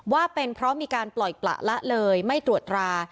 ว่าเป็นเพราะมีการปล่อยปละละเลยไม่ตรวจรา